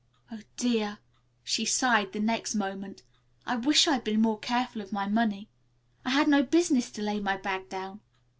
"Oh, dear," she sighed the next moment, "I wish I'd been more careful of my money. I had no business to lay my bag down.